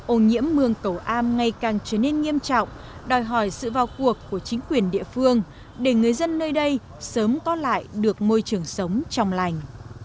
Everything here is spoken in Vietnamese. ô nhiễm mương cầu am ngày càng trở nên nghiêm trọng đòi hỏi sự vào cuộc của chính quyền địa phương để người dân nơi đây sớm có lại được môi trường sống trong lành